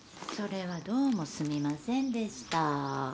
それはどうもすみませんでした。